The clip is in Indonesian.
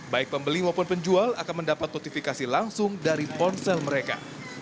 baik pembeli maupun penjual akan mendapat notifikasi langsung dari ponsel mereka